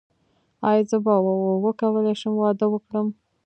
ایا زه به وکولی شم واده وکړم؟